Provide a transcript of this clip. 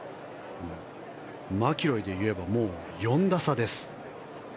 マキロイでいえばもう４打差です。